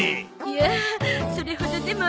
いやぁそれほどでも。